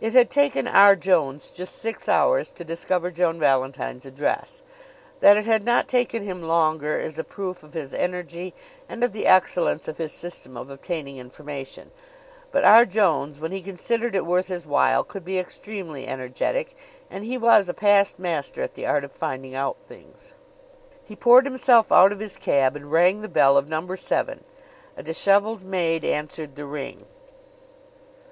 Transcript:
It had taken R. Jones just six hours to discover Joan Valentine's address. That it had not taken him longer is a proof of his energy and of the excellence of his system of obtaining information; but R. Jones, when he considered it worth his while, could be extremely energetic, and he was a past master at the art of finding out things. He poured himself out of his cab and rang the bell of Number Seven. A disheveled maid answered the ring.